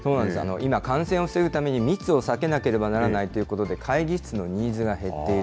今、感染を防ぐために密を避けなければならないということで、会議室のニーズが減っている。